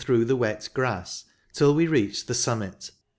through the wet grass, till we reached the summit.